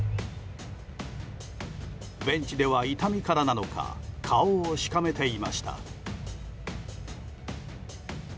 ベンチでは痛みからなのか顔をしかめていました。